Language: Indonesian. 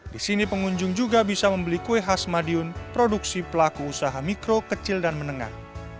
di sini pengunjung juga bisa membeli kue khas madiun produksi pelaku usaha mikro kecil dan menengah